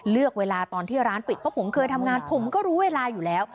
เลือกเวลาตอนที่ร้านปิดเพราะผมเคยทำงานผมก็รู้เวลาอยู่แล้ว